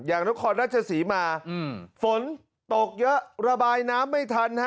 อย่างทุกคนรัชศรีมาฝนตกเยอะระบายน้ำไม่ทัน